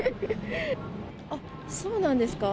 あっ、そうなんですか？